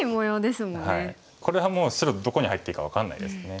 これはもう白どこに入っていいか分かんないですね。